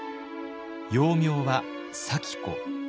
幼名は咲子。